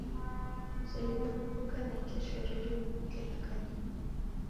Mseliw'e kuw'uka naikesho ereri muvike na kadime.